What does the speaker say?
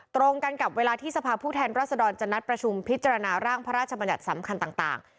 ตรงกันกับเวลาที่สภาพผู้แทนรัศดรจะนัดประชุมพิจารณาร่างพระราชบัญญัติสำคัญต่าง